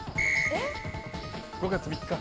５月３日。